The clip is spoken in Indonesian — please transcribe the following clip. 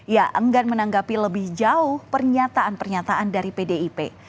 ya enggan menanggapi lebih jauh pernyataan pernyataan dari pdip